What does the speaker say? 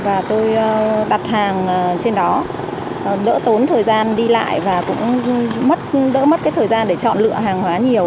và tôi đặt hàng trên đó đỡ tốn thời gian đi lại và cũng mất đỡ mất cái thời gian để chọn lựa hàng hóa nhiều